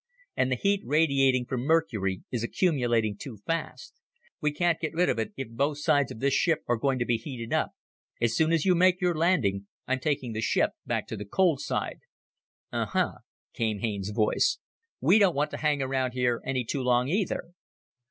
And the heat radiating from Mercury is accumulating too fast. We can't get rid of it if both sides of this ship are going to be heated up. As soon as you make your landing, I'm taking the ship back to the cold side." "Uh huh," came Haines's voice. "We don't want to hang around here any too long, either."